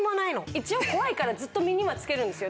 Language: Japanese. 一応怖いからずっと身には着けるんですよ。